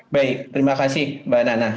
baik terima kasih mbak nana